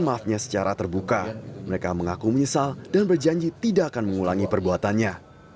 mereka mengaku menyesal dan berjanji tidak akan mengulangi perbuatannya